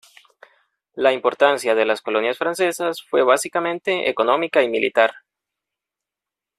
La importancia de las colonias francesas fue básicamente económica y militar.